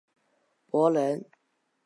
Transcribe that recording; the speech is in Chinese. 六齿猴面蟹为沙蟹科猴面蟹属的动物。